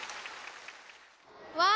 「わ」！